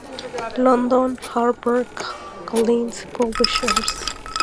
London: Harper Collins Publishers.